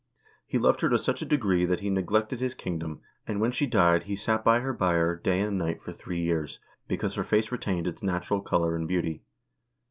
He loved her to such a degree that he neglected his kingdom, and when she died, he sat by her bier day and night for three years, because her face retained its natural color and beauty.